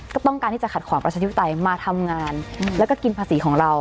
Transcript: ก็ต้องการที่จะขัดขวางประชาธิปไตยมาทำงานแล้วก็กินภาษีของเรา